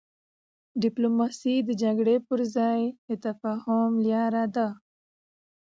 ډيپلوماسي د جګړې پر ځای د تفاهم لاره ده.